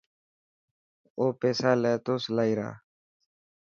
او پيسا لي تو سلائي را.